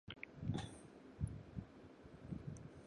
西法克斯与吉斯戈都被大西庇阿的个人魅力所折服。